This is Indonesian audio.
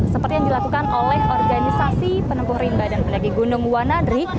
seperti yang dilakukan oleh organisasi penempuh rimba dan pendaki gunung wanadrik